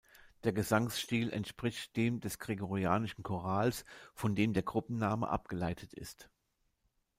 Der Gesangsstil entspricht dem des gregorianischen Chorals, von dem der Gruppenname abgeleitet ist.